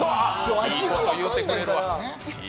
味が分かんないから。